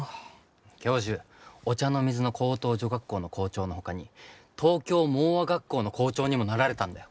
教授御茶ノ水の高等女学校の校長のほかに東京盲唖学校の校長にもなられたんだよ。